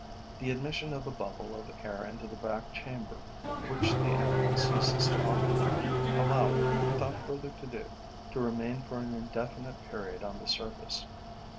The admission of a bubble of air into the back chamber, which the animal ceases to occupy, allow it, without further to do, to remain for an indefinite period on the surface.